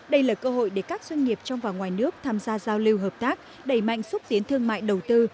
đây là cơ hội để các doanh nghiệp trong và ngoài nước tham gia giao lưu hợp tác đẩy mạnh xúc tiến thương mại đầu tư